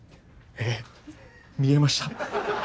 ええ見えました。